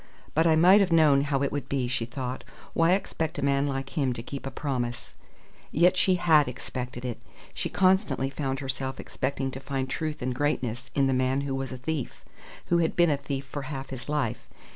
"But I might have known how it would be," she thought. "Why expect a man like him to keep a promise?" Yet she had expected it. She constantly found herself expecting to find truth and greatness in the man who was a thief who had been a thief for half his life.